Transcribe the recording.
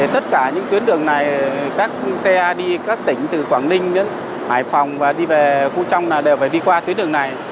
tất cả những tuyến đường này các xe đi các tỉnh từ quảng ninh đến hải phòng và đi về khu trong đều phải đi qua tuyến đường này